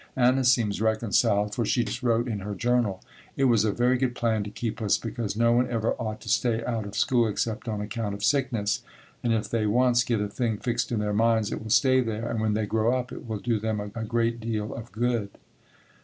Anna seems reconciled, for she just wrote in her journal: "It was a very good plan to keep us because no one ever ought to stay out of school except on account of sickness, and if they once get a thing fixed in their minds it will stay there, and when they grow up it will do them a great deal of good."